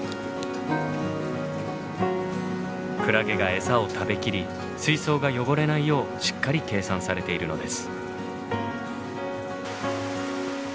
クラゲがエサを食べきり水槽が汚れないようしっかり計算されているのです。